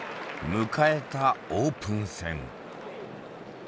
迎えたオープン戦。